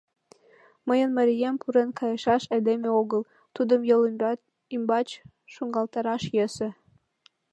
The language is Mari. — Мыйын марием пурен кайышаш айдеме огыл, тудым йол ӱмбач шуҥгалтараш йӧсӧ.